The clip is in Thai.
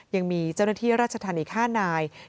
ยังมีเจ้าหน้าที่ราชธรรณิย์ห้านาย